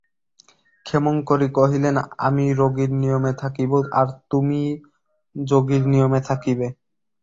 ক্ষেমংকরী কহিলেন, আমি রোগীর নিয়মে থাকিব, আর তুমিই যোগীর নিয়মে থাকিবে।